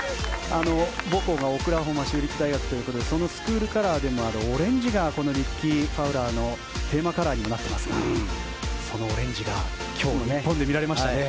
母校がオクラホマ州立大学ということでそのスクールカラーでもあるオレンジがこのリッキー・ファウラーのテーマカラーにもなっていますがそのオレンジが今日も日本で見られましたね。